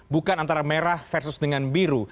bukan antara merah versus dengan biru